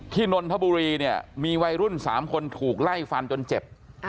นนทบุรีเนี่ยมีวัยรุ่น๓คนถูกไล่ฟันจนเจ็บ